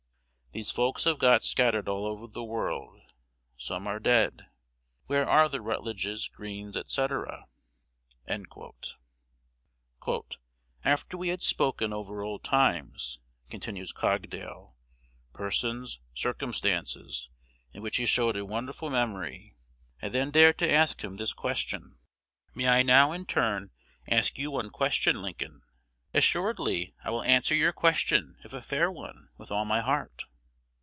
These folks have got scattered all over the world, some are dead. Where are the Rutledges, Greenes, &c.?' "After we had spoken over old times," continues Cogdale, "persons, circumstances, in which he showed a wonderful memory, I then dared to ask him this question: "'May I now, in turn, ask you one question, Lincoln?' "'Assuredly. I will answer your question, if a fair one, with all my heart.'